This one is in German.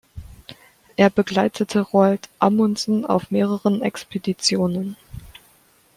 Er begleitete Roald Amundsen auf mehreren Expeditionen.